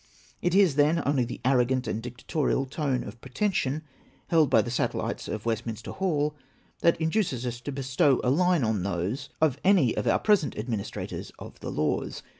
It is, then, only the arrogant and dictatorial tone of pretension, held by the satellites of Westminster Hall, that induces us to bestow a line on those of any one of our present administrators of the laws.